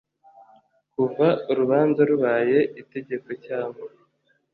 kuva urubanza rubaye itegeko cyangwa